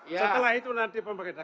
setelah itu nanti pemerintah